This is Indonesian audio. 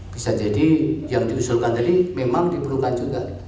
bisa jadi yang diusulkan tadi memang diperlukan juga